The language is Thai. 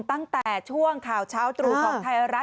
ตั้งแต่ช่วงข่าวเช้าตรูของไทยรัฐ